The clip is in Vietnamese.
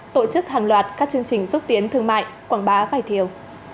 tổ chức hàng loạt các chương trình xúc tiến thương mại quảng bá vài thiếu